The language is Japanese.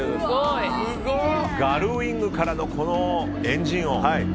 ガルウィングからのこのエンジン音。